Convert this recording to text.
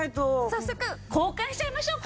早速交換しちゃいましょうか！